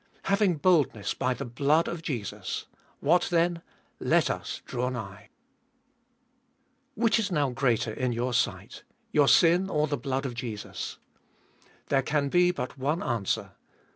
Having boldness by the blood of Jesus, — what then — let us draw nigh ! 1. Which Is now greater in your sight : your sin or the blood of Jesus ? There can be but one answer.